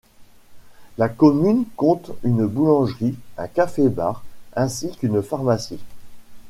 La commune compte une boulangerie, un café-bar ainsi qu'une pharmacie.